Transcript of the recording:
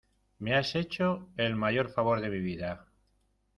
me has hecho el mayor favor de mi vida.